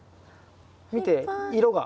見て色が。